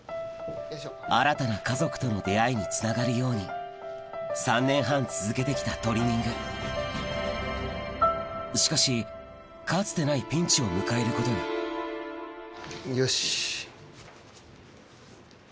新たな家族との出会いにつながるように３年半続けて来たトリミングしかしかつてないピンチを迎えることによし。